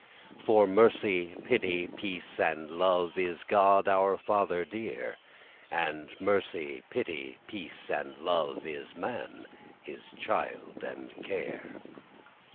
For Mercy, Pity, Peace, and Love, Is God our Father dear; And Mercy, Pity, Peace, and Love, Is man, His child and care.